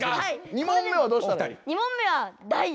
２問目はどうしたらいい？